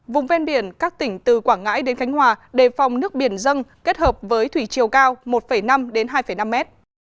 vùng ven biển các tỉnh từ quảng ngãi đến khánh hòa đề phòng nước biển dân kết hợp với thủy chiều cao một năm đến hai năm m